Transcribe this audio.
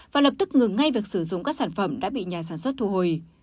và lập tức ngừng ngay việc sử dụng các sản phẩm đã bị nhà sản xuất thu hồi